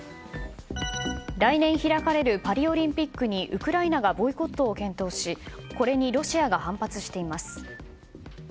来年開かれるパリオリンピックにウクライナがボイコットを検討しこれにロシアが反発しています。